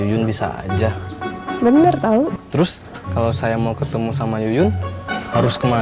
udah gak usah ngomongin dia